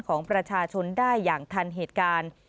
ของประชาชนได้อย่างทันเหตุการณ์